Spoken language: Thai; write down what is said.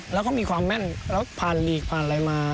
แล้วก็มีความแม่นแล้วผ่านหลีกผ่านอะไรมา